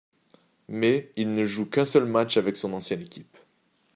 Mais, il ne joue qu'un seul match avec son ancienne équipe.